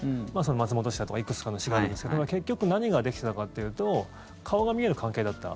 松本市だとかいくつかの市があるんですけど結局、何ができてたかっていうと顔が見える関係だった。